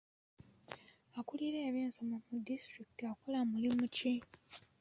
Akulirira eby'ensoma mu disitulikiti akola mulimu ki?